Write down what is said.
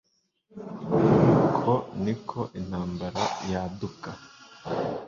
Uko niko intambara yaduka